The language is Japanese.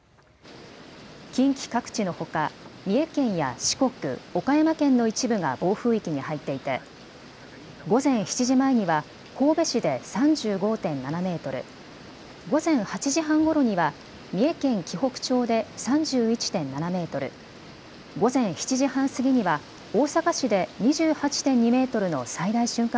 近畿各地のほか、三重県や四国、岡山県の一部が暴風域に入っていて午前７時前には神戸市で３５．７メートル、午前８時半ごろには三重県紀北町で３１．７メートル、午前７時半過ぎには大阪市で２８．２メートルの最大瞬間